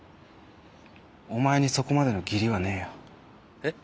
お前にそこまでの義理はねえよ。えっ？